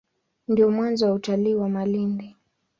Ndio mwanzo wa utalii wa Malindi.